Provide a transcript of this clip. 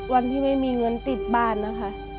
วันที่ไม่มีเงินติดบ้านนะคะ